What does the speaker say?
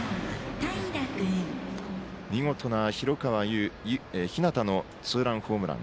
見事な広川陽大のツーランホームラン。